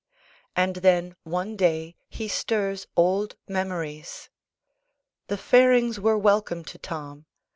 And then one day he stirs old memories The fairings were welcome to Tom.